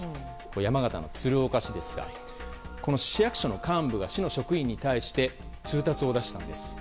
山形の鶴岡市ですが市役所の幹部が市の職員に対して通達を出したんです。